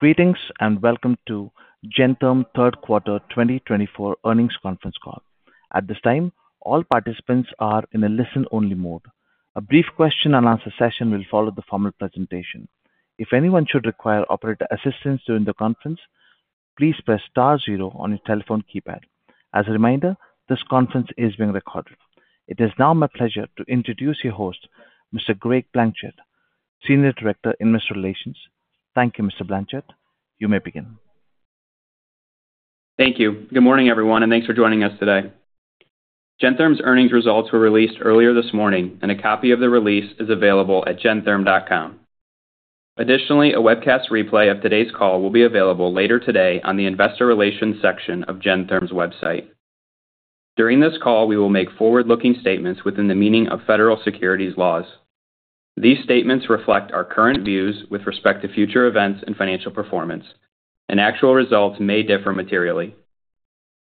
Greetings and welcome to Gentherm Third Quarter 2024 earnings conference call. At this time, all participants are in a listen-only mode. A brief question-and-answer session will follow the formal presentation. If anyone should require operator assistance during the conference, please press star zero on your telephone keypad. As a reminder, this conference is being recorded. It is now my pleasure to introduce your host, Mr. Greg Blanchette, Senior Director of Investor Relations. Thank you, Mr. Blanchette. You may begin. Thank you. Good morning, everyone, and thanks for joining us today. Gentherm's earnings results were released earlier this morning, and a copy of the release is available at gentherm.com. Additionally, a webcast replay of today's call will be available later today on the Investor Relations section of Gentherm's website. During this call, we will make forward-looking statements within the meaning of federal securities laws. These statements reflect our current views with respect to future events and financial performance, and actual results may differ materially.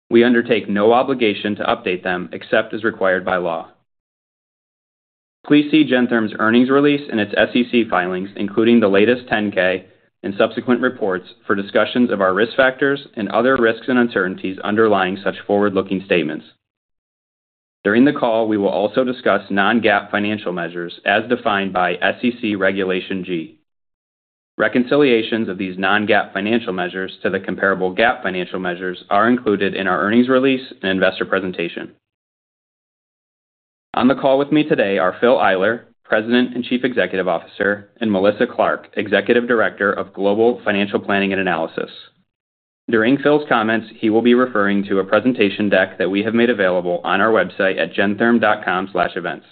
We undertake no obligation to update them except as required by law. Please see Gentherm's earnings release and its SEC filings, including the latest 10-K and subsequent reports, for discussions of our risk factors and other risks and uncertainties underlying such forward-looking statements. During the call, we will also discuss non-GAAP financial measures as defined by SEC Regulation G. Reconciliations of these non-GAAP financial measures to the comparable GAAP financial measures are included in our earnings release and investor presentation. On the call with me today are Phil Eyler, President and Chief Executive Officer, and Melissa Clark, Executive Director of Global Financial Planning and Analysis. During Phil's comments, he will be referring to a presentation deck that we have made available on our website at gentherm.com/events.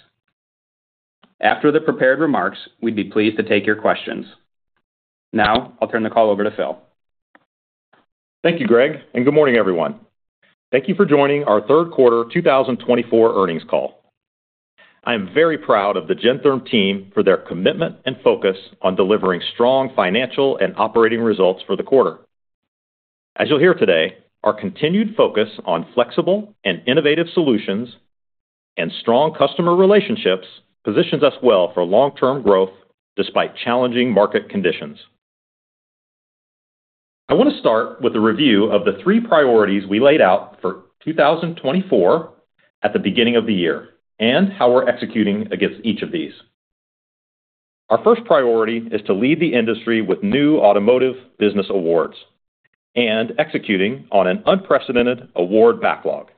After the prepared remarks, we'd be pleased to take your questions. Now, I'll turn the call over to Phil. Thank you, Greg, and good morning, everyone. Thank you for joining our Third Quarter 2024 earnings call. I am very proud of the Gentherm team for their commitment and focus on delivering strong financial and operating results for the quarter. As you'll hear today, our continued focus on flexible and innovative solutions and strong customer relationships positions us well for long-term growth despite challenging market conditions. I want to start with a review of the three priorities we laid out for 2024 at the beginning of the year and how we're executing against each of these. Our first priority is to lead the industry with new automotive business awards and executing on an unprecedented award backlog.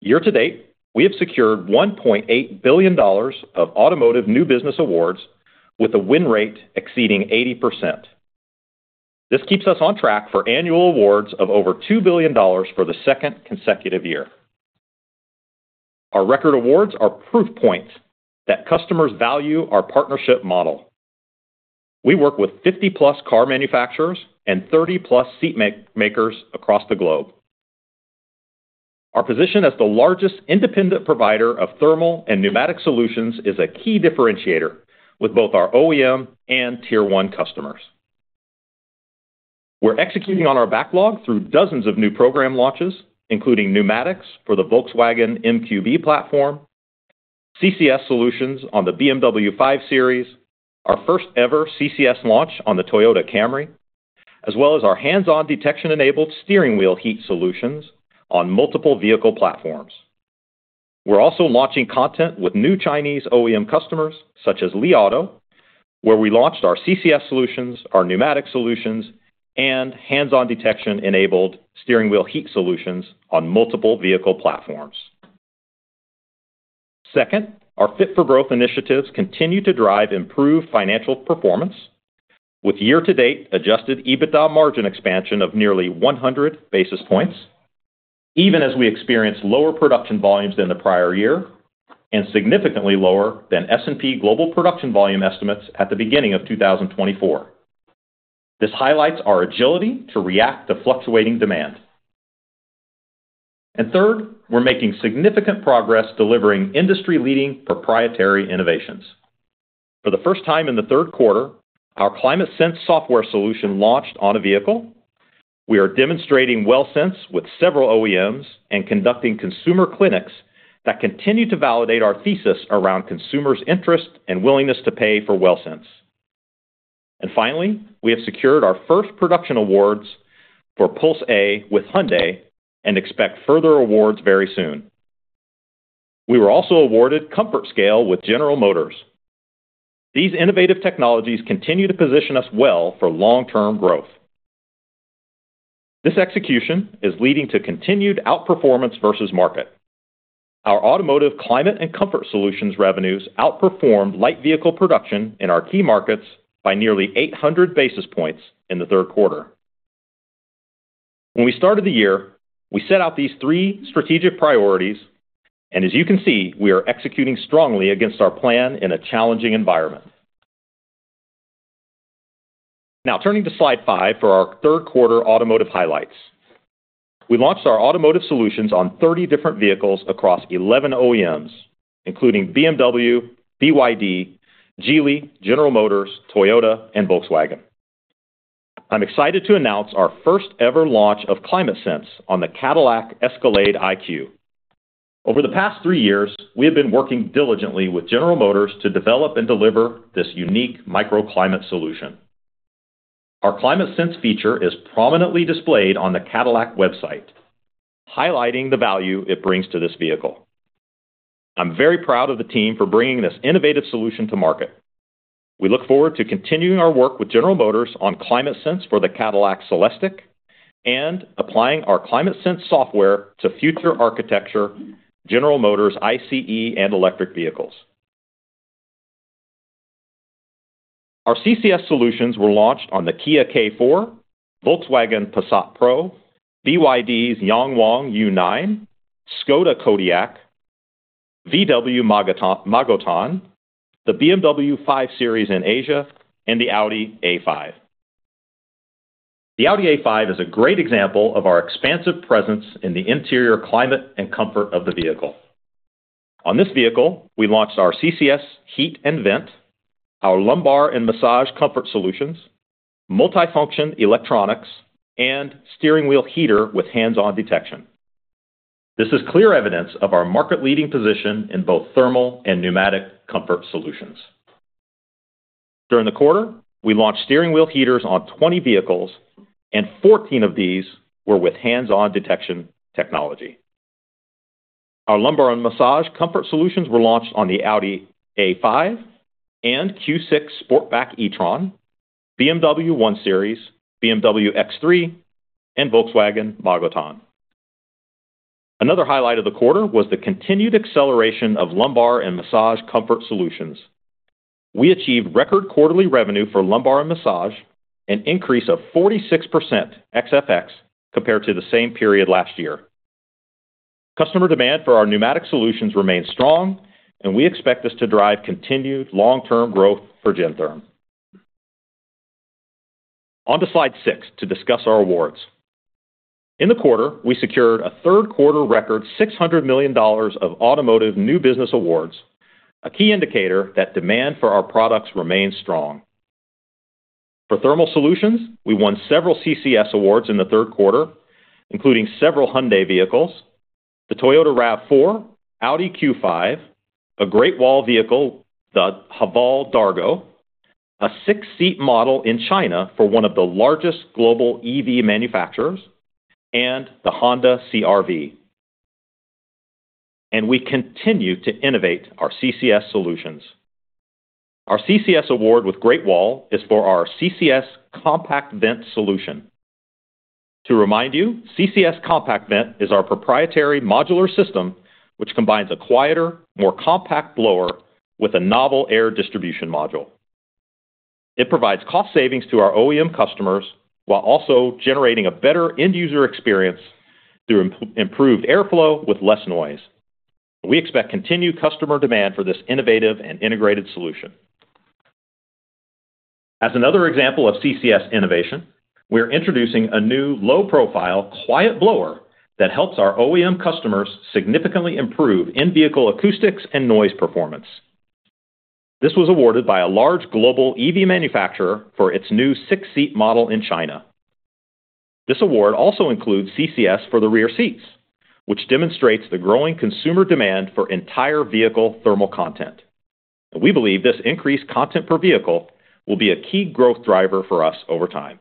Year to date, we have secured $1.8 billion of automotive new business awards with a win rate exceeding 80%. This keeps us on track for annual awards of over $2 billion for the second consecutive year. Our record awards are proof points that customers value our partnership model. We work with 50-plus car manufacturers and 30-plus seat makers across the globe. Our position as the largest independent provider of thermal and pneumatic solutions is a key differentiator with both our OEM and Tier 1 customers. We're executing on our backlog through dozens of new program launches, including pneumatics for the Volkswagen MQB platform, CCS solutions on the BMW 5 Series, our first-ever CCS launch on the Toyota Camry, as well as our Hands-On Detection enabled steering wheel heat solutions on multiple vehicle platforms. We're also launching content with new Chinese OEM customers such as Li Auto, where we launched our CCS solutions, our pneumatic solutions, and Hands-On Detection-enabled steering wheel heat solutions on multiple vehicle platforms. Second, our Fit-for-Growth initiatives continue to drive improved financial performance with year-to-date Adjusted EBITDA margin expansion of nearly 100 basis points, even as we experience lower production volumes than the prior year and significantly lower than S&P Global Mobility production volume estimates at the beginning of 2024. This highlights our agility to react to fluctuating demand. And third, we're making significant progress delivering industry-leading proprietary innovations. For the first time in the third quarter, our ClimateSense software solution launched on a vehicle. We are demonstrating WellSense with several OEMs and conducting consumer clinics that continue to validate our thesis around consumers' interest and willingness to pay for WellSense. And finally, we have secured our first production awards for Pulse-A with Hyundai and expect further awards very soon. We were also awarded ComfortScale with General Motors. These innovative technologies continue to position us well for long-term growth. This execution is leading to continued outperformance versus market. Our automotive climate and comfort solutions revenues outperformed light vehicle production in our key markets by nearly 800 basis points in the third quarter. When we started the year, we set out these three strategic priorities, and as you can see, we are executing strongly against our plan in a challenging environment. Now, turning to slide five for our third quarter automotive highlights. We launched our automotive solutions on 30 different vehicles across 11 OEMs, including BMW, BYD, Geely, General Motors, Toyota, and Volkswagen. I'm excited to announce our first-ever launch of ClimateSense on the Cadillac Escalade IQ. Over the past three years, we have been working diligently with General Motors to develop and deliver this unique microclimate solution. Our ClimateSense feature is prominently displayed on the Cadillac website, highlighting the value it brings to this vehicle. I'm very proud of the team for bringing this innovative solution to market. We look forward to continuing our work with General Motors on ClimateSense for the Cadillac Celestiq and applying our ClimateSense software to future architecture General Motors' ICE and electric vehicles. Our CCS solutions were launched on the Kia K4, Volkswagen Passat Pro, BYD's Yangwang U9, Škoda Kodiaq, VW Magotan, the BMW 5 Series in Asia, and the Audi A5. The Audi A5 is a great example of our expansive presence in the interior climate and comfort of the vehicle. On this vehicle, we launched our CCS heat and vent, our lumbar and massage comfort solutions, multi-function electronics, and steering wheel heater with hands-on detection. This is clear evidence of our market-leading position in both thermal and pneumatic comfort solutions. During the quarter, we launched steering wheel heaters on 20 vehicles, and 14 of these were with hands-on detection technology. Our lumbar and massage comfort solutions were launched on the Audi A5 and Q6 Sportback e-tron, BMW 1 Series, BMW X3, and Volkswagen Magotan. Another highlight of the quarter was the continued acceleration of lumbar and massage comfort solutions. We achieved record quarterly revenue for lumbar and massage, an increase of 46% XFX compared to the same period last year. Customer demand for our pneumatic solutions remains strong, and we expect this to drive continued long-term growth for Gentherm. On to slide six to discuss our awards. In the quarter, we secured a third-quarter record $600 million of automotive new business awards, a key indicator that demand for our products remains strong. For thermal solutions, we won several CCS awards in the third quarter, including several Hyundai vehicles, the Toyota RAV4, Audi Q5, a Great Wall vehicle, the Haval Dargo, a six-seat model in China for one of the largest global EV manufacturers, and the Honda CR-V, and we continue to innovate our CCS solutions. Our CCS award with Great Wall is for our CCS Compact Vent solution. To remind you, CCS Compact Vent is our proprietary modular system, which combines a quieter, more compact blower with a novel air distribution module. It provides cost savings to our OEM customers while also generating a better end-user experience through improved airflow with less noise. We expect continued customer demand for this innovative and integrated solution. As another example of CCS innovation, we're introducing a new low-profile quiet blower that helps our OEM customers significantly improve in-vehicle acoustics and noise performance. This was awarded by a large global EV manufacturer for its new six-seat model in China. This award also includes CCS for the rear seats, which demonstrates the growing consumer demand for entire vehicle thermal content. We believe this increased content per vehicle will be a key growth driver for us over time.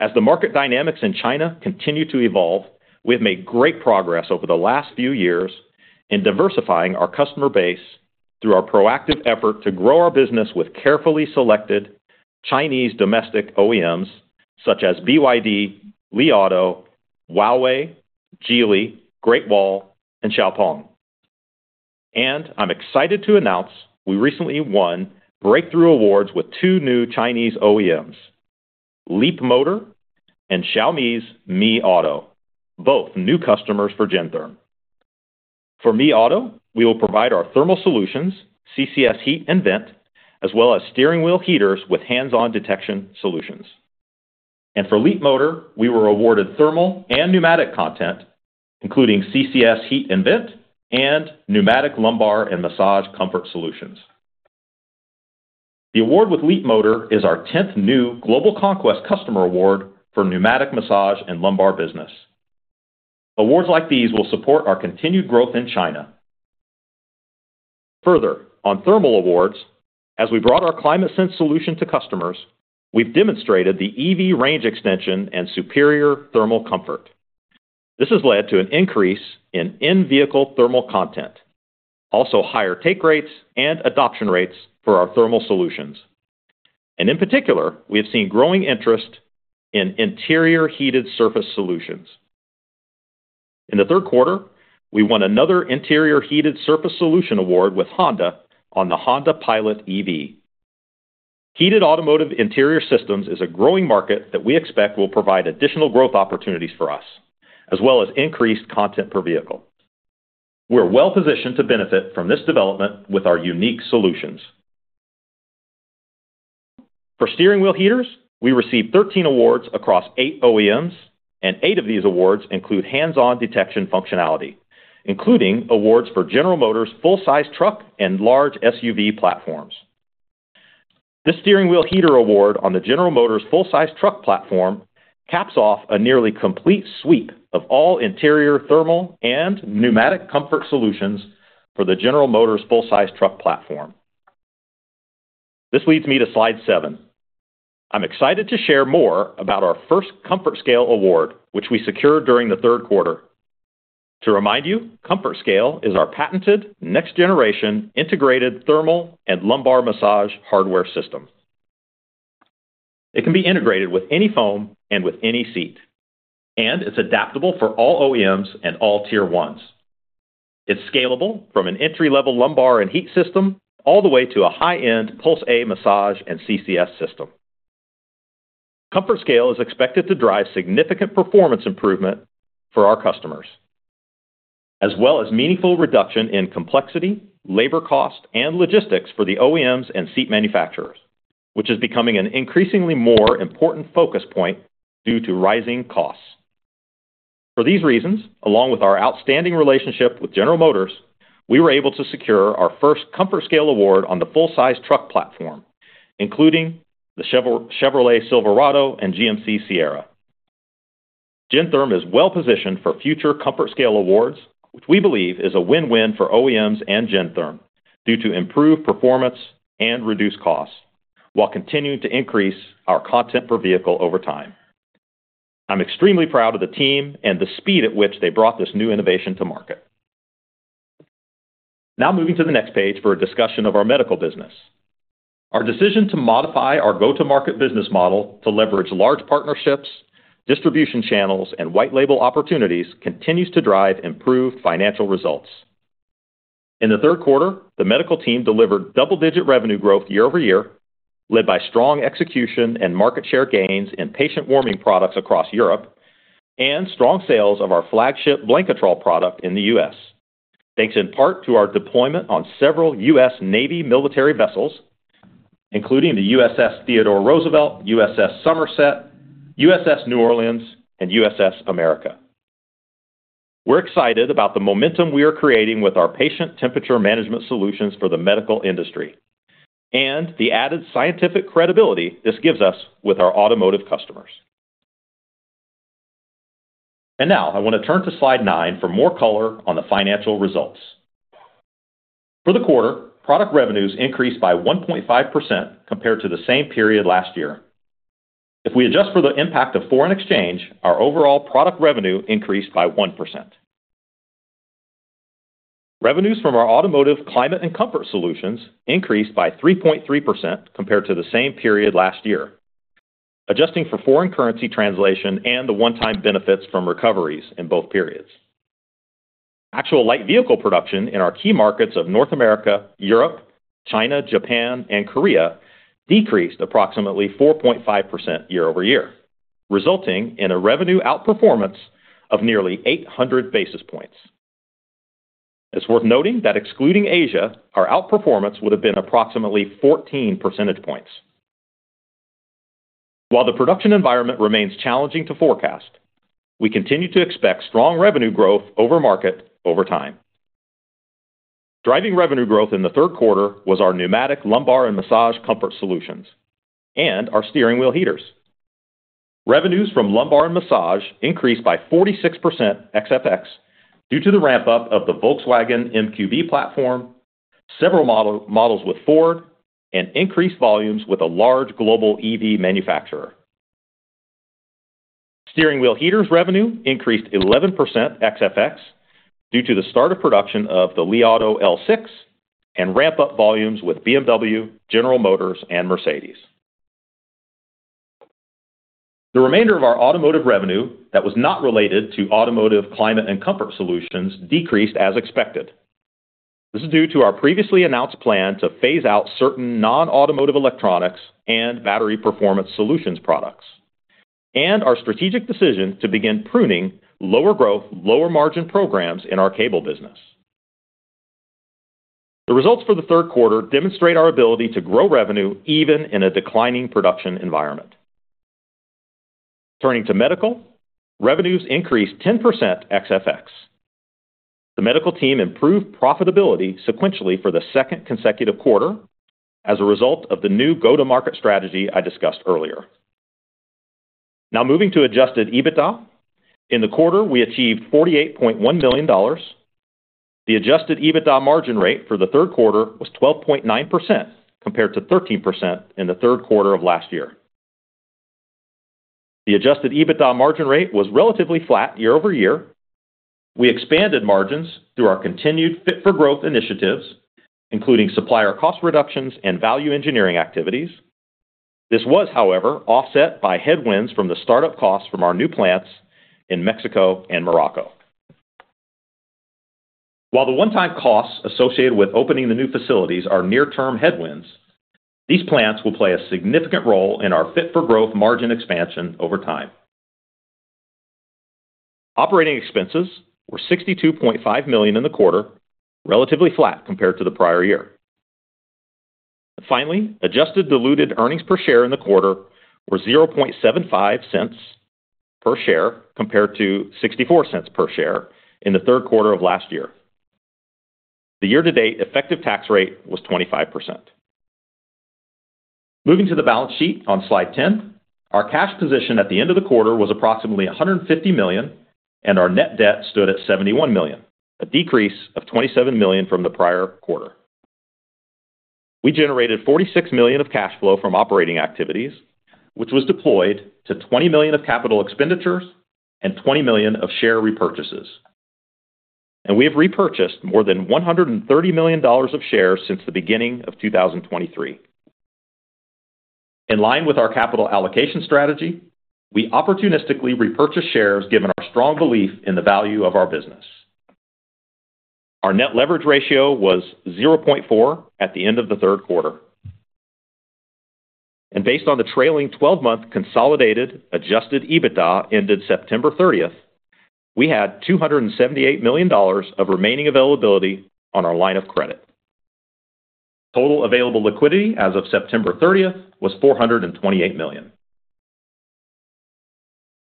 As the market dynamics in China continue to evolve, we have made great progress over the last few years in diversifying our customer base through our proactive effort to grow our business with carefully selected Chinese domestic OEMs such as BYD, Li Auto, Huawei, Geely, Great Wall, and XPeng. And I'm excited to announce we recently won breakthrough awards with two new Chinese OEMs, Leapmotor and Xiaomi's Mi Auto, both new customers for Gentherm. For Mi Auto, we will provide our thermal solutions, CCS heat and vent, as well as steering wheel heaters with hands-on detection solutions, and for Leapmotor, we were awarded thermal and pneumatic content, including CCS heat and vent and pneumatic lumbar and massage comfort solutions. The award with Leapmotor is our 10th new Global Conquest Customer Award for pneumatic massage and lumbar business. Awards like these will support our continued growth in China. Further, on thermal awards, as we brought our ClimateSense solution to customers, we've demonstrated the EV range extension and superior thermal comfort. This has led to an increase in in-vehicle thermal content, also higher take rates and adoption rates for our thermal solutions, and in particular, we have seen growing interest in interior heated surface solutions. In the third quarter, we won another interior heated surface solution award with Honda on the Honda Pilot EV. Heated automotive interior systems is a growing market that we expect will provide additional growth opportunities for us, as well as increased content per vehicle. We're well positioned to benefit from this development with our unique solutions. For steering wheel heaters, we received 13 awards across eight OEMs, and eight of these awards include hands-on detection functionality, including awards for General Motors' full-size truck and large SUV platforms. This steering wheel heater award on the General Motors' full-size truck platform caps off a nearly complete sweep of all interior thermal and pneumatic comfort solutions for the General Motors' full-size truck platform. This leads me to slide seven. I'm excited to share more about our first ComfortScale award, which we secured during the third quarter. To remind you, ComfortScale is our patented next-generation integrated thermal and lumbar massage hardware system. It can be integrated with any foam and with any seat, and it's adaptable for all OEMs and all Tier 1s. It's scalable from an entry-level lumbar and heat system all the way to a high-end Pulse A massage and CCS system. ComfortScale is expected to drive significant performance improvement for our customers, as well as meaningful reduction in complexity, labor cost, and logistics for the OEMs and seat manufacturers, which is becoming an increasingly more important focus point due to rising costs. For these reasons, along with our outstanding relationship with General Motors, we were able to secure our first ComfortScale award on the full-size truck platform, including the Chevrolet Silverado and GMC Sierra. Gentherm is well positioned for future ComfortScale awards, which we believe is a win-win for OEMs and Gentherm due to improved performance and reduced costs, while continuing to increase our content per vehicle over time. I'm extremely proud of the team and the speed at which they brought this new innovation to market. Now, moving to the next page for a discussion of our medical business. Our decision to modify our go-to-market business model to leverage large partnerships, distribution channels, and white-label opportunities continues to drive improved financial results. In the third quarter, the medical team delivered double-digit revenue growth year over year, led by strong execution and market share gains in patient warming products across Europe and strong sales of our flagship Blanketrol product in the U.S., thanks in part to our deployment on several U.S. Navy military vessels, including the USS Theodore Roosevelt, USS Somerset, USS New Orleans, and USS America. We're excited about the momentum we are creating with our patient temperature management solutions for the medical industry and the added scientific credibility this gives us with our automotive customers, and now I want to turn to slide nine for more color on the financial results. For the quarter, product revenues increased by 1.5% compared to the same period last year. If we adjust for the impact of foreign exchange, our overall product revenue increased by 1%. Revenues from our automotive climate and comfort solutions increased by 3.3% compared to the same period last year, adjusting for foreign currency translation and the one-time benefits from recoveries in both periods. Actual light vehicle production in our key markets of North America, Europe, China, Japan, and Korea decreased approximately 4.5% year over year, resulting in a revenue outperformance of nearly 800 basis points. It's worth noting that excluding Asia, our outperformance would have been approximately 14 percentage points. While the production environment remains challenging to forecast, we continue to expect strong revenue growth over market over time. Driving revenue growth in the third quarter was our pneumatic lumbar and massage comfort solutions and our steering wheel heaters. Revenues from lumbar and massage increased by 46% ex-FX due to the ramp-up of the Volkswagen MQB platform, several models with Ford, and increased volumes with a large global EV manufacturer. Steering wheel heaters revenue increased 11% XFX due to the start of production of the Li Auto L6 and ramp-up volumes with BMW, General Motors, and Mercedes. The remainder of our automotive revenue that was not related to automotive climate and comfort solutions decreased as expected. This is due to our previously announced plan to phase out certain non-automotive electronics and battery performance solutions products and our strategic decision to begin pruning lower-growth, lower-margin programs in our cable business. The results for the third quarter demonstrate our ability to grow revenue even in a declining production environment. Turning to medical, revenues increased 10% XFX. The medical team improved profitability sequentially for the second consecutive quarter as a result of the new go-to-market strategy I discussed earlier. Now, moving to adjusted EBITDA. In the quarter, we achieved $48.1 million. The adjusted EBITDA margin rate for the third quarter was 12.9% compared to 13% in the third quarter of last year. The adjusted EBITDA margin rate was relatively flat year over year. We expanded margins through our continued Fit-for-Growth initiatives, including supplier cost reductions and value engineering activities. This was, however, offset by headwinds from the startup costs from our new plants in Mexico and Morocco. While the one-time costs associated with opening the new facilities are near-term headwinds, these plants will play a significant role in our Fit-for-Growth margin expansion over time. Operating expenses were $62.5 million in the quarter, relatively flat compared to the prior year. Finally, adjusted diluted earnings per share in the quarter were $0.75 per share compared to $0.64 per share in the third quarter of last year. The year-to-date effective tax rate was 25%. Moving to the balance sheet on slide 10, our cash position at the end of the quarter was approximately $150 million, and our net debt stood at $71 million, a decrease of $27 million from the prior quarter. We generated $46 million of cash flow from operating activities, which was deployed to $20 million of capital expenditures and $20 million of share repurchases, and we have repurchased more than $130 million of shares since the beginning of 2023. In line with our capital allocation strategy, we opportunistically repurchased shares given our strong belief in the value of our business. Our net leverage ratio was 0.4 at the end of the third quarter, and based on the trailing 12-month consolidated Adjusted EBITDA ended September 30, we had $278 million of remaining availability on our line of credit. Total available liquidity as of September 30 was $428 million.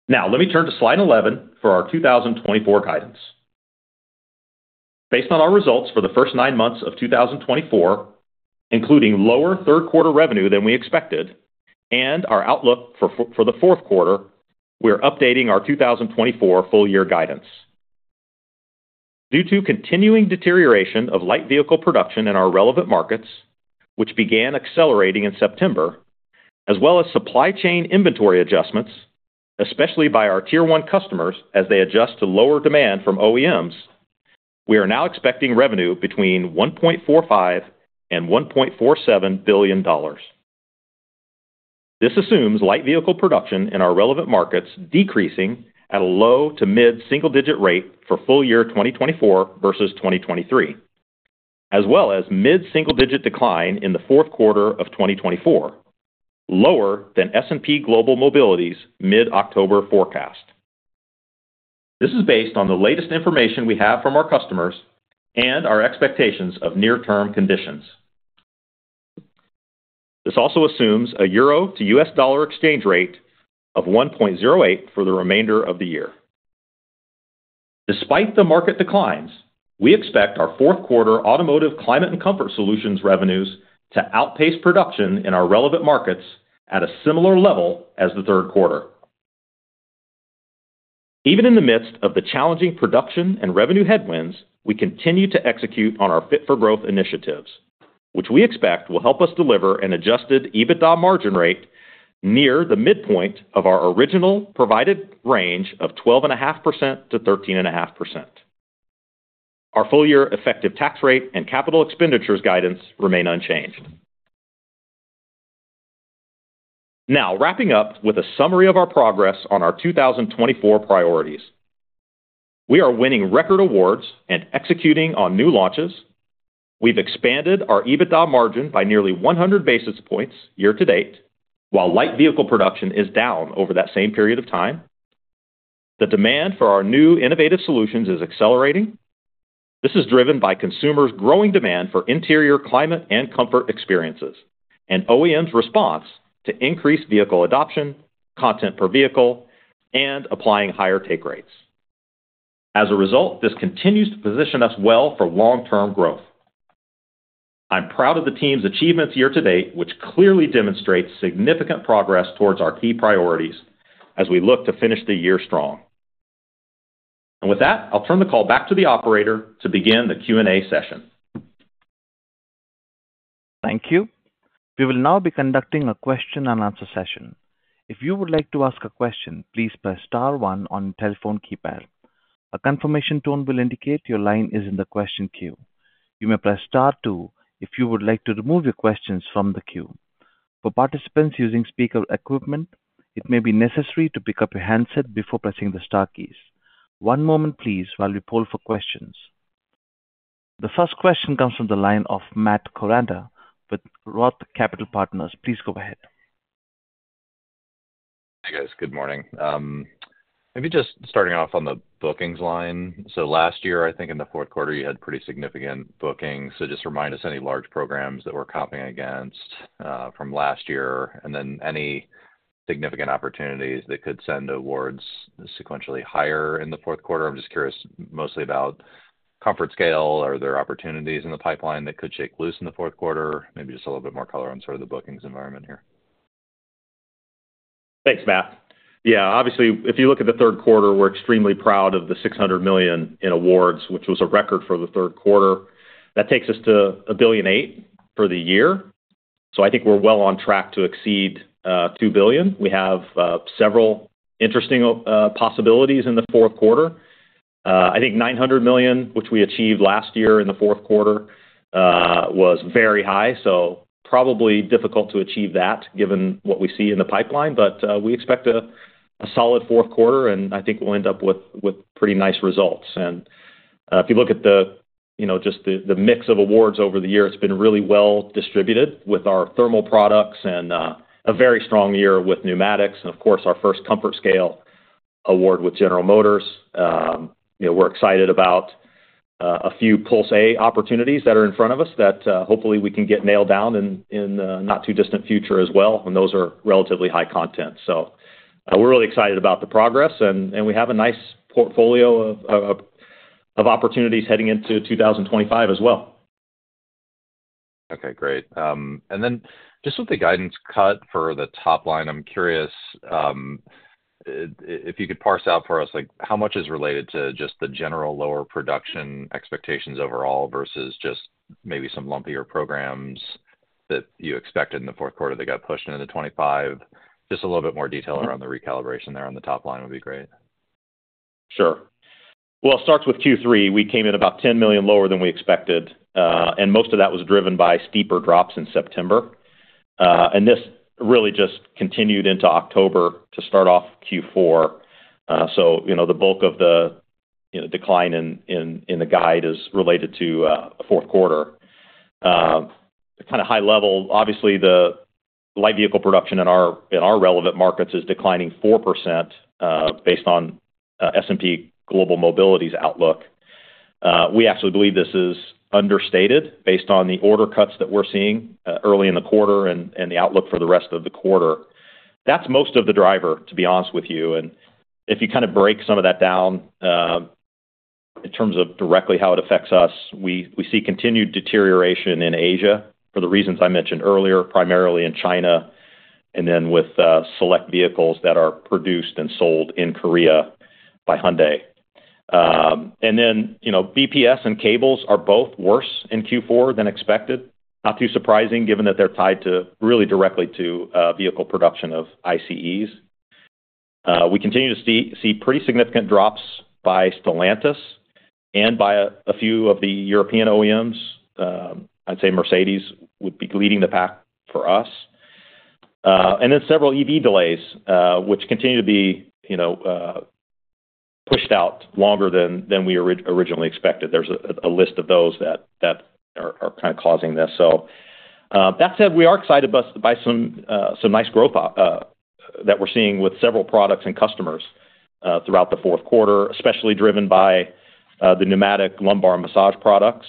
Now, let me turn to slide 11 for our 2024 guidance. Based on our results for the first nine months of 2024, including lower third-quarter revenue than we expected and our outlook for the fourth quarter, we are updating our 2024 full-year guidance. Due to continuing deterioration of light vehicle production in our relevant markets, which began accelerating in September, as well as supply chain inventory adjustments, especially by our Tier 1 customers as they adjust to lower demand from OEMs, we are now expecting revenue between $1.45 and $1.47 billion. This assumes light vehicle production in our relevant markets decreasing at a low to mid-single-digit rate for full-year 2024 versus 2023, as well as mid-single-digit decline in the fourth quarter of 2024, lower than S&P Global Mobility's mid-October forecast. This is based on the latest information we have from our customers and our expectations of near-term conditions. This also assumes a EUR to USD exchange rate of 1.08 for the remainder of the year. Despite the market declines, we expect our fourth quarter automotive climate and comfort solutions revenues to outpace production in our relevant markets at a similar level as the third quarter. Even in the midst of the challenging production and revenue headwinds, we continue to execute on our Fit-for-Growth initiatives, which we expect will help us deliver an Adjusted EBITDA margin rate near the midpoint of our original provided range of 12.5%-13.5%. Our full-year effective tax rate and capital expenditures guidance remain unchanged. Now, wrapping up with a summary of our progress on our 2024 priorities. We are winning record awards and executing on new launches. We've expanded our EBITDA margin by nearly 100 basis points year to date, while light vehicle production is down over that same period of time. The demand for our new innovative solutions is accelerating. This is driven by consumers' growing demand for interior climate and comfort experiences and OEMs' response to increased vehicle adoption, content per vehicle, and applying higher take rates. As a result, this continues to position us well for long-term growth. I'm proud of the team's achievements year to date, which clearly demonstrates significant progress towards our key priorities as we look to finish the year strong, and with that, I'll turn the call back to the operator to begin the Q&A session. Thank you. We will now be conducting a question-and-answer session. If you would like to ask a question, please press star one on the telephone keypad. A confirmation tone will indicate your line is in the question queue. You may press star two if you would like to remove your questions from the queue. For participants using speaker equipment, it may be necessary to pick up your handset before pressing the star keys. One moment, please, while we poll for questions. The first question comes from the line of Matt Koranda with Roth Capital Partners. Please go ahead. Hey, guys. Good morning. Maybe just starting off on the bookings line. So last year, I think in the fourth quarter, you had pretty significant bookings. So just remind us any large programs that we're comping against from last year and then any significant opportunities that could send awards sequentially higher in the fourth quarter. I'm just curious mostly about ComfortScale. Are there opportunities in the pipeline that could shake loose in the fourth quarter? Maybe just a little bit more color on sort of the bookings environment here. Thanks, Matt. Yeah. Obviously, if you look at the third quarter, we're extremely proud of the $600 million in awards, which was a record for the third quarter. That takes us to $1.8 billion for the year. So I think we're well on track to exceed $2 billion. We have several interesting possibilities in the fourth quarter. I think $900 million, which we achieved last year in the fourth quarter, was very high. So probably difficult to achieve that given what we see in the pipeline. But we expect a solid fourth quarter, and I think we'll end up with pretty nice results. And if you look at just the mix of awards over the year, it's been really well distributed with our thermal products and a very strong year with pneumatics. And of course, our first ComfortScale award with General Motors. We're excited about a few Pulse A opportunities that are in front of us that hopefully we can get nailed down in the not-too-distant future as well. And those are relatively high content. So we're really excited about the progress, and we have a nice portfolio of opportunities heading into 2025 as well. Okay. Great. And then just with the guidance cut for the top line, I'm curious if you could parse out for us how much is related to just the general lower production expectations overall versus just maybe some lumpier programs that you expected in the fourth quarter that got pushed into 2025. Just a little bit more detail around the recalibration there on the top line would be great. Sure. Well, it starts with Q3. We came in about $10 million lower than we expected. And most of that was driven by steeper drops in September. This really just continued into October to start off Q4. The bulk of the decline in the guide is related to the fourth quarter. Kind of high level, obviously, the light vehicle production in our relevant markets is declining 4% based on S&P Global Mobility's outlook. We actually believe this is understated based on the order cuts that we're seeing early in the quarter and the outlook for the rest of the quarter. That's most of the driver, to be honest with you. If you kind of break some of that down in terms of directly how it affects us, we see continued deterioration in Asia for the reasons I mentioned earlier, primarily in China and then with select vehicles that are produced and sold in Korea by Hyundai. Then BPS and cables are both worse in Q4 than expected. Not too surprising given that they're tied really directly to vehicle production of ICEs. We continue to see pretty significant drops by Stellantis and by a few of the European OEMs. I'd say Mercedes would be leading the pack for us, and then several EV delays, which continue to be pushed out longer than we originally expected. There's a list of those that are kind of causing this, so that said, we are excited by some nice growth that we're seeing with several products and customers throughout the fourth quarter, especially driven by the pneumatic lumbar massage products,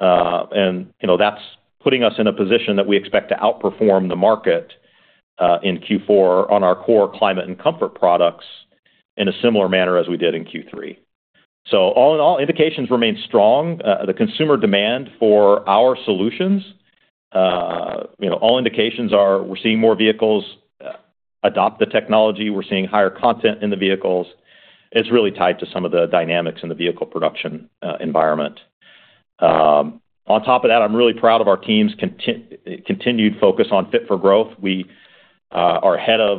and that's putting us in a position that we expect to outperform the market in Q4 on our core climate and comfort products in a similar manner as we did in Q3, so all indications remain strong. The consumer demand for our solutions, all indications are we're seeing more vehicles adopt the technology. We're seeing higher content in the vehicles. It's really tied to some of the dynamics in the vehicle production environment. On top of that, I'm really proud of our team's continued focus on Fit-for-Growth. We are ahead of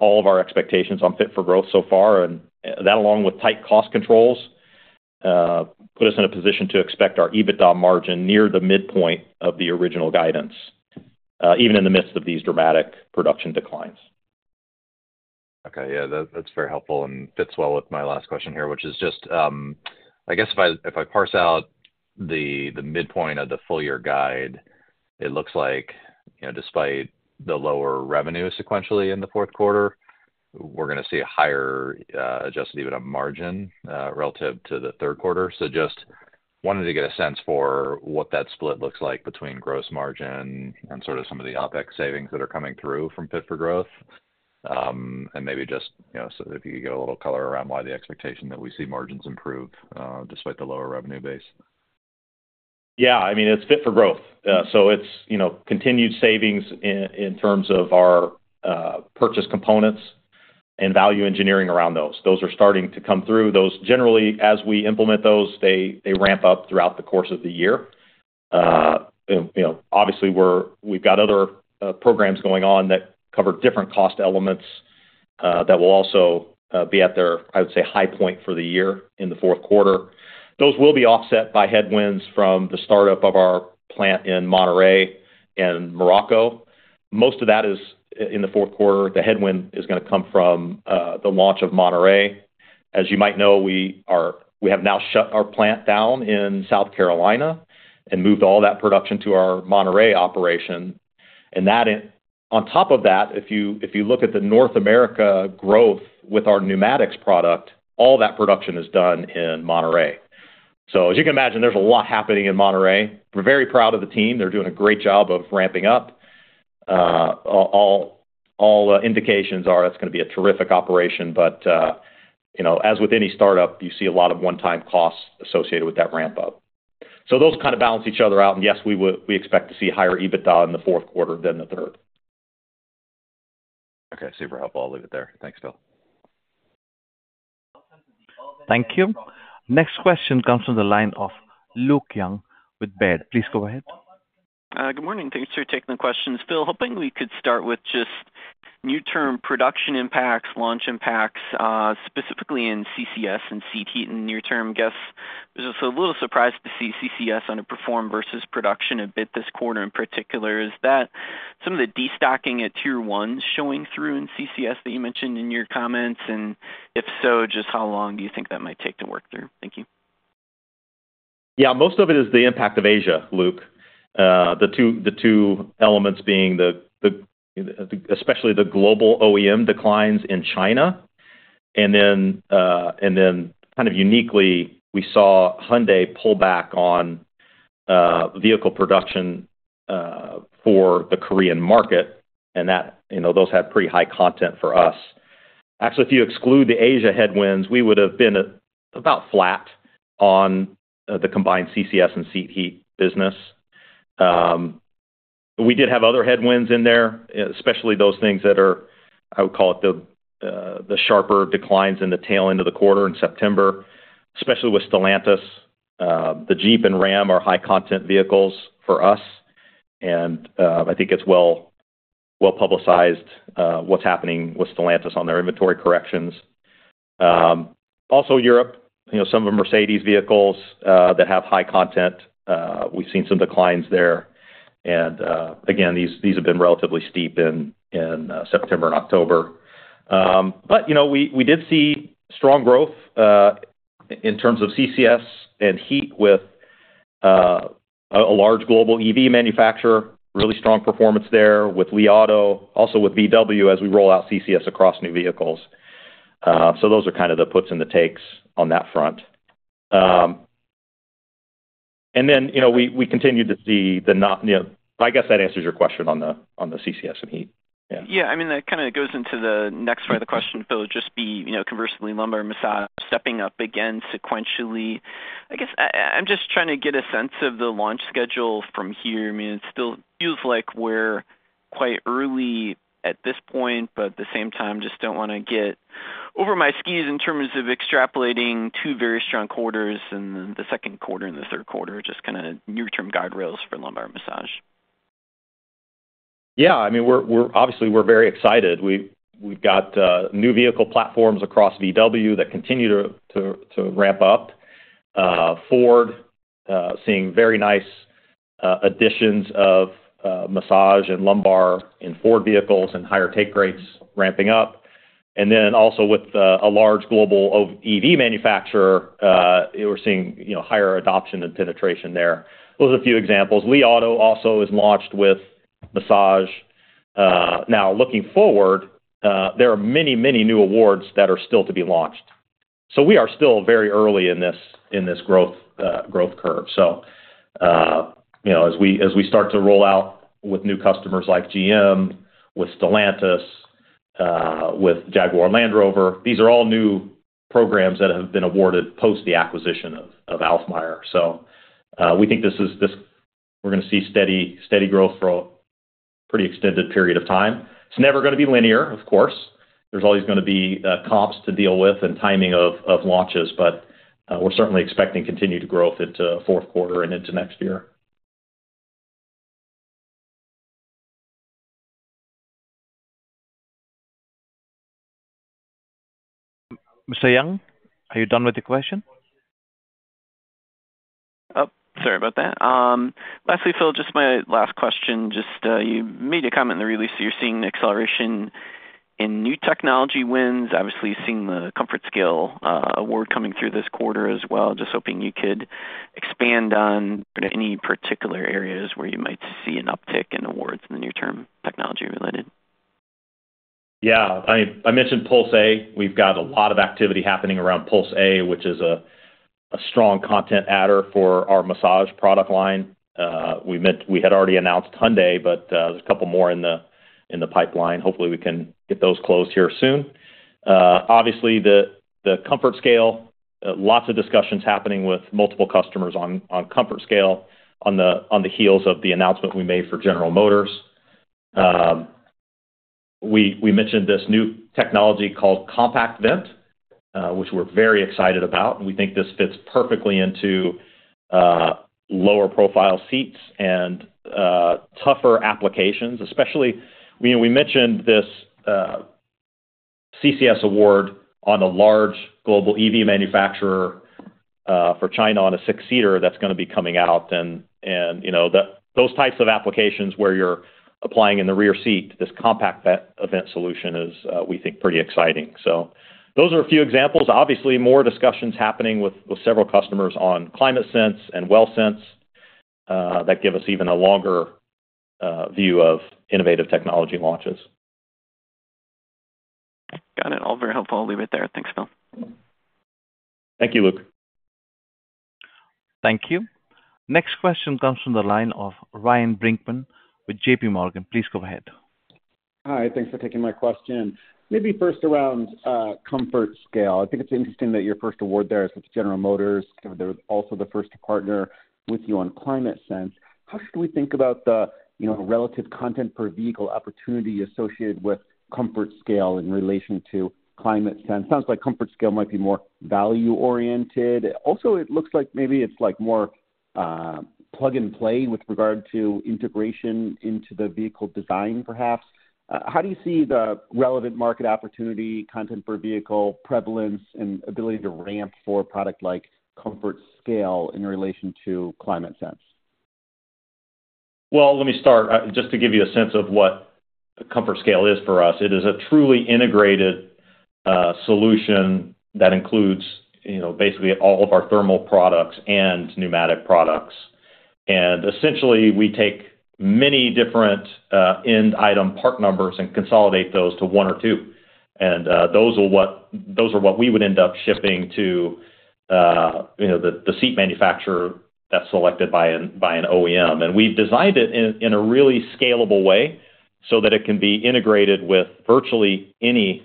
all of our expectations on Fit-for-Growth so far. And that, along with tight cost controls, put us in a position to expect our EBITDA margin near the midpoint of the original guidance, even in the midst of these dramatic production declines. Okay. Yeah. That's very helpful and fits well with my last question here, which is just, I guess if I parse out the midpoint of the full-year guide, it looks like despite the lower revenue sequentially in the fourth quarter, we're going to see a higher adjusted EBITDA margin relative to the third quarter. So just wanted to get a sense for what that split looks like between gross margin and sort of some of the OpEx savings that are coming through from Fit-for-Growth. And maybe just so if you could get a little color around why the expectation that we see margins improve despite the lower revenue base. Yeah. I mean, it's Fit-for-Growth. So it's continued savings in terms of our purchase components and value engineering around those. Those are starting to come through. Generally, as we implement those, they ramp up throughout the course of the year. Obviously, we've got other programs going on that cover different cost elements that will also be at their, I would say, high point for the year in the fourth quarter. Those will be offset by headwinds from the startup of our plant in Monterrey and Morocco. Most of that is in the fourth quarter. The headwind is going to come from the launch of Monterrey. As you might know, we have now shut our plant down in South Carolina and moved all that production to our Monterrey operation. On top of that, if you look at the North America growth with our pneumatics product, all that production is done in Monterrey. You can imagine there's a lot happening in Monterrey. We're very proud of the team. They're doing a great job of ramping up. All indications are it's going to be a terrific operation. With any startup, you see a lot of one-time costs associated with that ramp-up. Those kind of balance each other out. Yes, we expect to see higher EBITDA in the fourth quarter than the third. Okay. Super helpful. I'll leave it there. Thanks, Phil. Thank you. Next question comes from the line of Luke Junk with Baird. Please go ahead. Good morning. Thanks for taking the question, Phil. Hoping we could start with just near-term production impacts, launch impacts, specifically in CCS and seat heat in near-term. Guess there's also a little surprise to see CCS underperform versus production a bit this quarter in particular. Is that some of the destocking at Tier 1 showing through in CCS that you mentioned in your comments? And if so, just how long do you think that might take to work through? Thank you. Yeah. Most of it is the impact of Asia, Luke. The two elements being especially the global OEM declines in China. And then kind of uniquely, we saw Hyundai pull back on vehicle production for the Korean market. And those had pretty high content for us. Actually, if you exclude the Asia headwinds, we would have been about flat on the combined CCS and seat heat business. We did have other headwinds in there, especially those things that are, I would call it, the sharper declines in the tail end of the quarter in September, especially with Stellantis. The Jeep and Ram are high-content vehicles for us. And I think it's well-publicized what's happening with Stellantis on their inventory corrections. Also, Europe, some of the Mercedes vehicles that have high content, we've seen some declines there. And again, these have been relatively steep in September and October. But we did see strong growth in terms of CCS and heat with a large global EV manufacturer, really strong performance there with Li Auto, also with VW as we roll out CCS across new vehicles. So those are kind of the puts and the takes on that front. And then we continue to see the, I guess that answers your question on the CCS and heat. Yeah. I mean, that kind of goes into the next part of the question, Phil. It would just be conceivably lumbar massage stepping up again sequentially. I guess I'm just trying to get a sense of the launch schedule from here. I mean, it still feels like we're quite early at this point, but at the same time, just don't want to get over my skis in terms of extrapolating two very strong quarters and the second quarter and the third quarter, just kind of near-term guide rails for lumbar massage. Yeah. I mean, obviously, we're very excited. We've got new vehicle platforms across VW that continue to ramp up. Ford seeing very nice additions of massage and lumbar in Ford vehicles and higher take rates ramping up. And then also with a large global EV manufacturer, we're seeing higher adoption and penetration there. Those are a few examples. Li Auto also is launched with massage. Now, looking forward, there are many, many new awards that are still to be launched. So we are still very early in this growth curve. So as we start to roll out with new customers like GM, with Stellantis, with Jaguar Land Rover, these are all new programs that have been awarded post the acquisition of Alfmeier. So we think we're going to see steady growth for a pretty extended period of time. It's never going to be linear, of course. There's always going to be comps to deal with and timing of launches. But we're certainly expecting continued growth into fourth quarter and into next year. Mr. Young, are you done with the question? Sorry about that. Lastly, Phil, just my last question. Just you made a comment in the release that you're seeing acceleration in new technology wins. Obviously, seeing the ComfortScale award coming through this quarter as well. Just hoping you could expand on any particular areas where you might see an uptick in awards in the near-term technology related. Yeah. I mentioned Pulse A. We've got a lot of activity happening around Pulse A, which is a strong content adder for our massage product line. We had already announced Hyundai, but there's a couple more in the pipeline. Hopefully, we can get those closed here soon. Obviously, the ComfortScale, lots of discussions happening with multiple customers on ComfortScale on the heels of the announcement we made for General Motors. We mentioned this new technology called CompactVent, which we're very excited about. We think this fits perfectly into lower profile seats and tougher applications. Especially, we mentioned this CCS award on a large global EV manufacturer for China on a six-seater that's going to be coming out. Those types of applications where you're applying in the rear seat, this CompactVent solution is, we think, pretty exciting. Those are a few examples. Obviously, more discussions happening with several customers on ClimateSense and WellSense that give us even a longer view of innovative technology launches. Got it. All very helpful. I'll leave it there. Thanks, Phil. Thank you, Luke. Thank you. Next question comes from the line of Ryan Brinkman with JPMorgan. Please go ahead. Hi. Thanks for taking my question. Maybe first around ComfortScale. I think it's interesting that your first award there is with General Motors. They're also the first partner with you on ClimateSense. How should we think about the relative content per vehicle opportunity associated with ComfortScale in relation to ClimateSense? Sounds like ComfortScale might be more value-oriented. Also, it looks like maybe it's more plug-and-play with regard to integration into the vehicle design, perhaps. How do you see the relevant market opportunity, content per vehicle prevalence, and ability to ramp for a product like ComfortScale in relation to ClimateSense? Well, let me start just to give you a sense of what ComfortScale is for us. It is a truly integrated solution that includes basically all of our thermal products and pneumatic products. And essentially, we take many different end item part numbers and consolidate those to one or two. And those are what we would end up shipping to the seat manufacturer that's selected by an OEM. We've designed it in a really scalable way so that it can be integrated with virtually any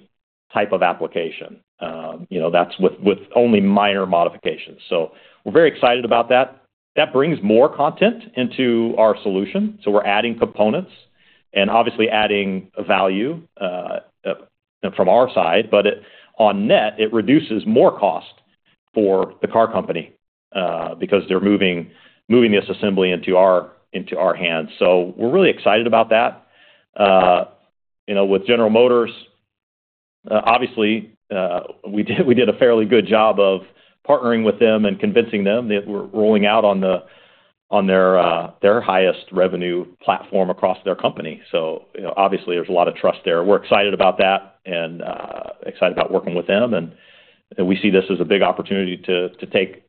type of application. That's with only minor modifications. We're very excited about that. That brings more content into our solution. We're adding components and obviously adding value from our side. On net, it reduces more cost for the car company because they're moving this assembly into our hands. We're really excited about that. With General Motors, obviously, we did a fairly good job of partnering with them and convincing them that we're rolling out on their highest revenue platform across their company. Obviously, there's a lot of trust there. We're excited about that and excited about working with them. We see this as a big opportunity to take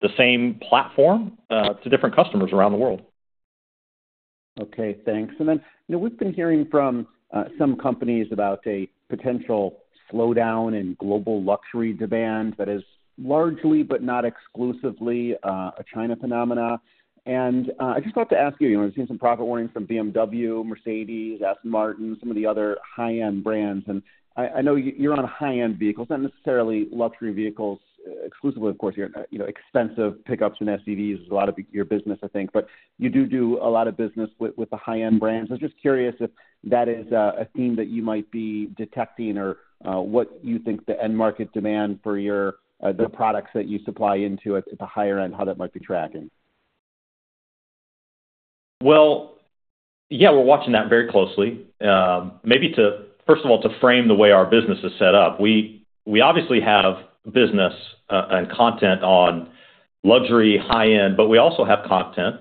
the same platform to different customers around the world. Okay. Thanks. And then we've been hearing from some companies about a potential slowdown in global luxury demand that is largely, but not exclusively, a China phenomenon. And I just wanted to ask you, I've seen some profit warnings from BMW, Mercedes, Aston Martin, some of the other high-end brands. And I know you're on high-end vehicles, not necessarily luxury vehicles exclusively, of course. You're expensive pickups and SUVs is a lot of your business, I think. But you do do a lot of business with the high-end brands. I was just curious if that is a theme that you might be detecting or what you think the end market demand for the products that you supply into at the higher end, how that might be tracking. Well, yeah, we're watching that very closely. Maybe first of all, to frame the way our business is set up. We obviously have business and content on luxury high-end, but we also have content,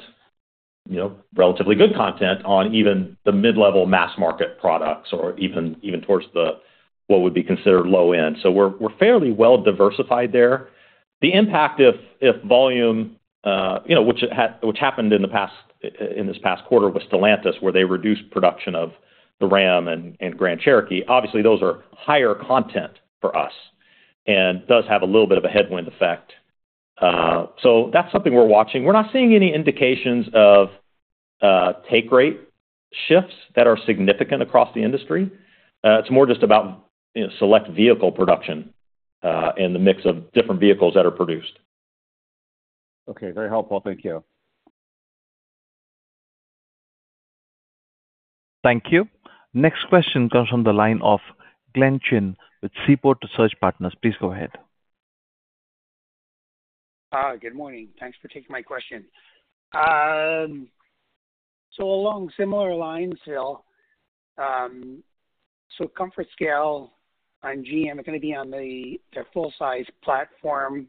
relatively good content on even the mid-level mass market products or even towards what would be considered low-end. So we're fairly well-diversified there. The impact of volume, which happened in this past quarter with Stellantis, where they reduced production of the Ram and Grand Cherokee, obviously, those are higher content for us and does have a little bit of a headwind effect. So that's something we're watching. We're not seeing any indications of take rate shifts that are significant across the industry. It's more just about select vehicle production and the mix of different vehicles that are produced. Okay. Very helpful. Thank you. Thank you. Next question comes from the line of Glenn Chin with Seaport Research Partners. Please go ahead. Good morning. Thanks for taking my question. So along similar lines, Phil, so ComfortScale and GM are going to be on their full-size platform.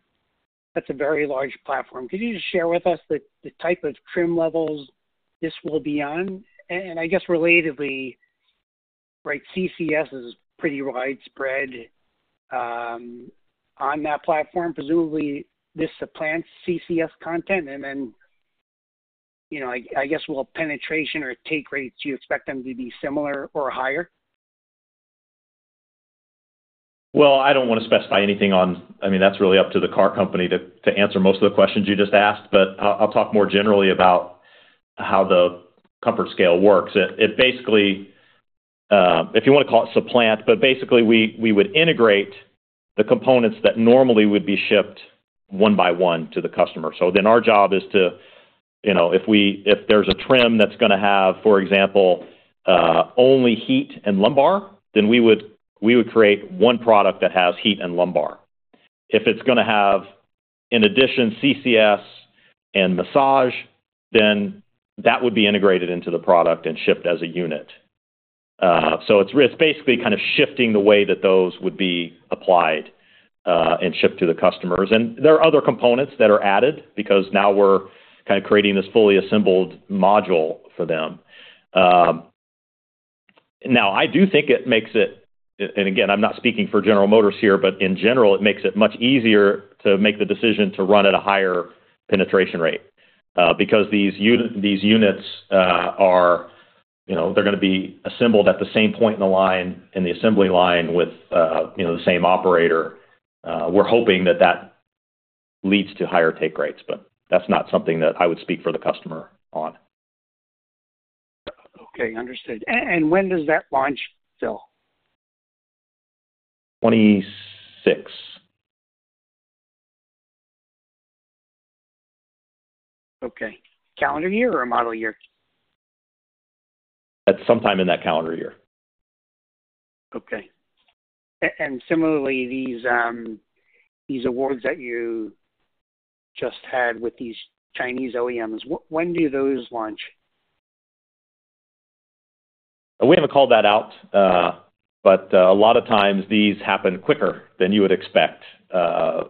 That's a very large platform. Could you just share with us the type of trim levels this will be on? And I guess relatedly, CCS is pretty widespread on that platform. Presumably, this supplants CCS content. And then I guess will penetration or take rates, do you expect them to be similar or higher? Well, I don't want to specify anything on. I mean, that's really up to the car company to answer most of the questions you just asked. But I'll talk more generally about how the ComfortScale works. Basically, if you want to call it supplant, but basically, we would integrate the components that normally would be shipped one by one to the customer. So then, our job is to, if there's a trim that's going to have, for example, only heat and lumbar, then we would create one product that has heat and lumbar. If it's going to have, in addition, CCS and massage, then that would be integrated into the product and shipped as a unit. So it's basically kind of shifting the way that those would be applied and shipped to the customers. And there are other components that are added because now we're kind of creating this fully assembled module for them. Now, I do think it makes it, and again, I'm not speaking for General Motors here, but in general, it makes it much easier to make the decision to run at a higher penetration rate. Because these units, they're going to be assembled at the same point in the line, in the assembly line with the same operator. We're hoping that that leads to higher take rates. But that's not something that I would speak for the customer on. Okay. Understood. And when does that launch, Phil? 2026. Okay. Calendar year or model year? That's sometime in that calendar year. Okay. And similarly, these awards that you just had with these Chinese OEMs, when do those launch? We haven't called that out. But a lot of times, these happen quicker than you would expect via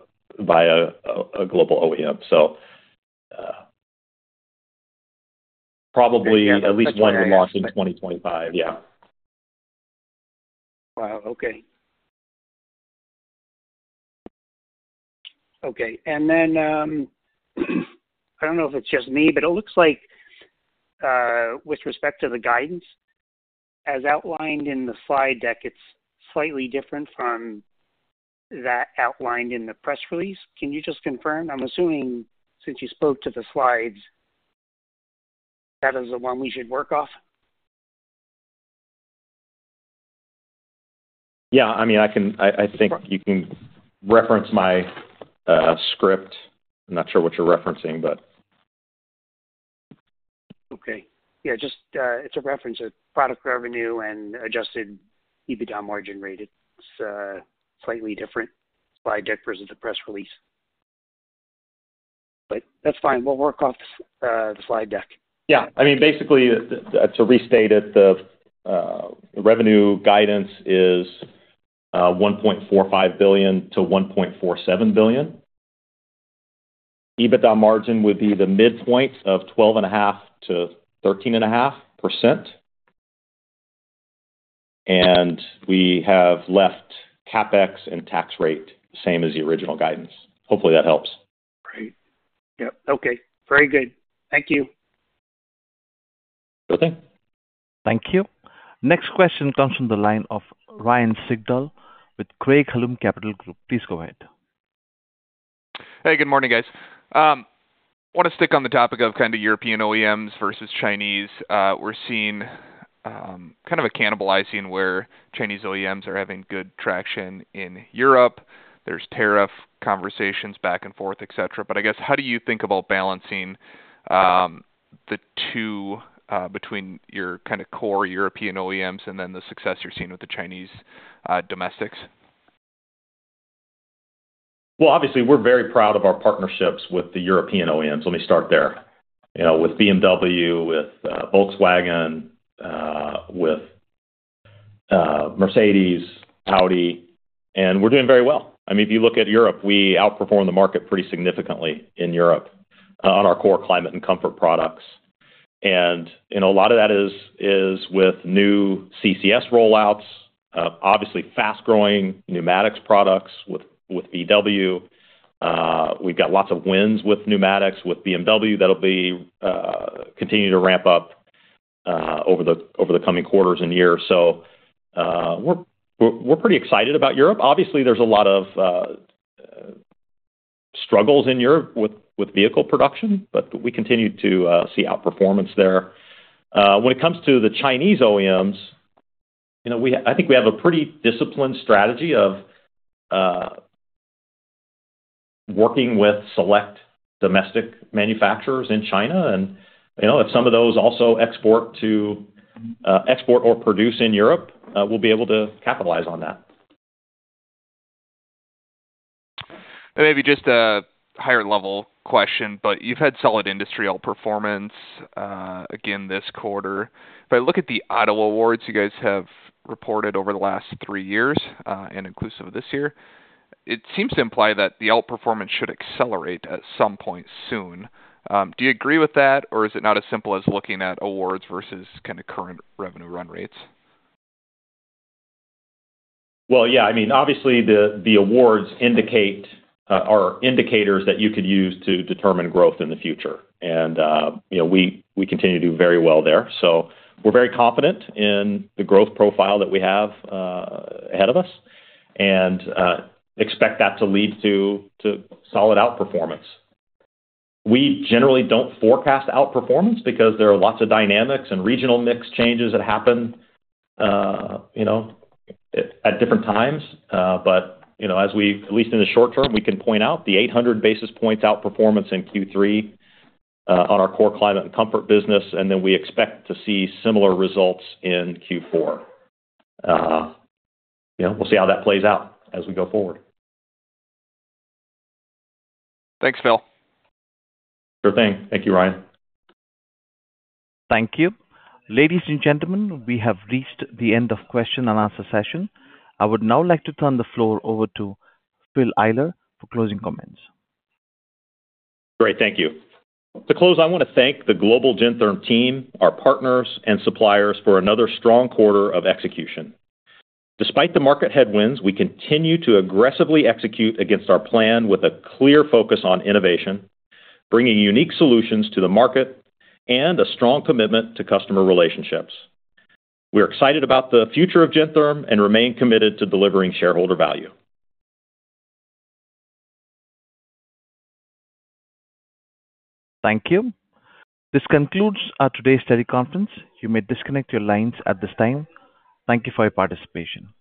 a global OEM. So probably at least one will launch in 2025. Yeah. Wow. Okay. Okay. And then I don't know if it's just me, but it looks like with respect to the guidance, as outlined in the slide deck, it's slightly different from that outlined in the press release. Can you just confirm? I'm assuming since you spoke to the slides, that is the one we should work off. Yeah. I mean, I think you can reference my script. I'm not sure what you're referencing, but. Okay. Yeah. It's a reference of product revenue and adjusted EBITDA margin rate. It's slightly different slide deck versus the press release. But that's fine. We'll work off the slide deck. Yeah. I mean, basically, to restate it, the revenue guidance is $1.45 billion-$1.47 billion. EBITDA margin would be the midpoint of 12.5%-13.5%. And we have left CapEx and tax rate the same as the original guidance. Hopefully, that helps. Great. Yep. Okay. Very good. Thank you. Sure thing. Thank you. Next question comes from the line of Ryan Sigdahl with Craig-Hallum Capital Group. Please go ahead. Hey. Good morning, guys. I want to stick on the topic of kind of European OEMs versus Chinese. We're seeing kind of a cannibalizing where Chinese OEMs are having good traction in Europe. There's tariff conversations back and forth, etc. But I guess, how do you think about balancing the two between your kind of core European OEMs and then the success you're seeing with the Chinese domestics? Well, obviously, we're very proud of our partnerships with the European OEMs. Let me start there. With BMW, with Volkswagen, with Mercedes, Audi. And we're doing very well. I mean, if you look at Europe, we outperform the market pretty significantly in Europe on our core climate and comfort products. And a lot of that is with new CCS rollouts, obviously fast-growing pneumatics products with VW. We've got lots of wins with pneumatics with BMW that'll be continuing to ramp up over the coming quarters and years. So we're pretty excited about Europe. Obviously, there's a lot of struggles in Europe with vehicle production, but we continue to see outperformance there. When it comes to the Chinese OEMs, I think we have a pretty disciplined strategy of working with select domestic manufacturers in China. And if some of those also export or produce in Europe, we'll be able to capitalize on that. And maybe just a higher-level question, but you've had solid industrial performance again this quarter. If I look at the auto awards you guys have reported over the last three years and inclusive of this year, it seems to imply that the outperformance should accelerate at some point soon. Do you agree with that, or is it not as simple as looking at awards versus kind of current revenue run rates? Well, yeah. I mean, obviously, the awards are indicators that you could use to determine growth in the future. And we continue to do very well there. So we're very confident in the growth profile that we have ahead of us and expect that to lead to solid outperformance. We generally don't forecast outperformance because there are lots of dynamics and regional mix changes that happen at different times. But at least in the short term, we can point out the 800 basis points outperformance in Q3 on our core climate and comfort business. And then we expect to see similar results in Q4. We'll see how that plays out as we go forward. Thanks, Phil. Sure thing. Thank you, Ryan. Thank you. Ladies and gentlemen, we have reached the end of question and answer session. I would now like to turn the floor over to Phil Eyler for closing comments. Great. Thank you. To close, I want to thank the Global Gentherm team, our partners, and suppliers for another strong quarter of execution. Despite the market headwinds, we continue to aggressively execute against our plan with a clear focus on innovation, bringing unique solutions to the market, and a strong commitment to customer relationships. We are excited about the future of Gentherm and remain committed to delivering shareholder value. Thank you. This concludes our today's teleconference. You may disconnect your lines at this time. Thank you for your participation.